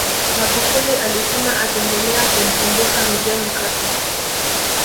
magufuli alisema ataendelea kumkumbuka mzee mkapa